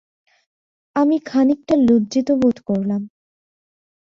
আমি খানিকটা লজ্জিত বোধ করলাম।